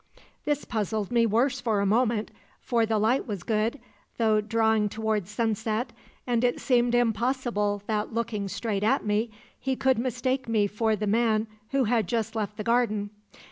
"This puzzled me worse for a moment, for the light was good, though drawing towards sunset, and it seemed impossible that, looking straight at me, he could mistake me for the man who had just left the garden.